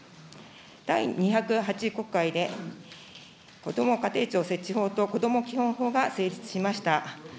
第２０８国会でこども家庭庁設置法とこども基本法が成立しました。